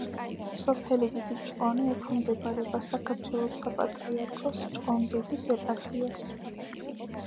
სოფელი დიდი ჭყონი ექვემდებარება საქართველოს საპატრიარქოს ჭყონდიდის ეპარქიას.